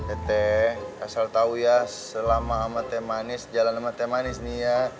ete asal tahu ya selama sama teh manis jalan sama teh manis nih ya